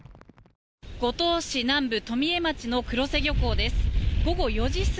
五島市南部富江町の黒瀬漁港です。